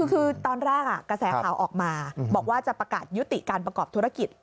คือตอนแรกกระแสข่าวออกมาบอกว่าจะประกาศยุติการประกอบธุรกิจ